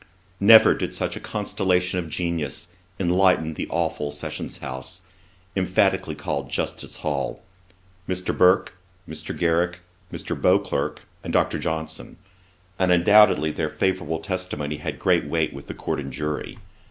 Never did such a constellation of genius enlighten the aweful Sessions House, emphatically called JUSTICE HALL; Mr. Burke, Mr. Garrick, Mr. Beauclerk, and Dr. Johnson; and undoubtedly their favourable testimony had due weight with the Court and Jury.